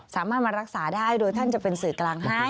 สามารถมารักษาได้โดยท่านจะเป็นสื่อกลางให้